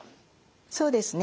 そうですね。